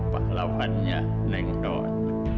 pak lawannya neng don